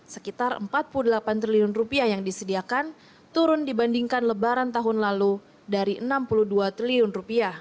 sekitar rp empat puluh delapan triliun yang disediakan turun dibandingkan lebaran tahun lalu dari rp enam puluh dua triliun